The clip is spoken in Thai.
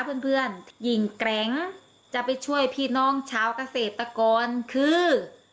เพื่อนเพื่อนหญิงแกรงจะไปช่วยพี่น้องชาวเกษตรกรคือ